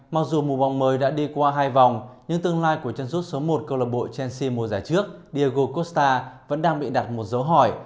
mặc dù mùa bóng mới đã đi qua hai vòng nhưng tương lai của chân suốt số một club chelsea mùa giải trước diego costa vẫn đang bị đặt một dấu hỏi